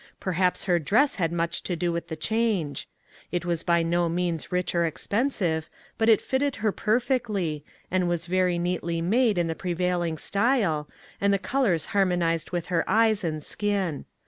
Perhaps her dress had much to do with the change; it was by no means rich or expensive, but it fitted her perfectly, and was very neatly made in the prevailing style, and 294 A NEW HOME the colors harmonized with her eyes and skin.